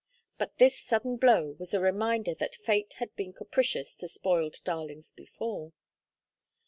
But this sudden blow was a reminder that fate had been capricious to spoiled darlings before.